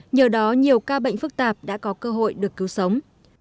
nhờ đó nhiều ca bệnh phức tạp đã có cơ hội được cứu sống